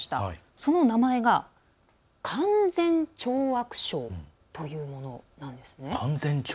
その名前が勧善懲悪省というものなんですね。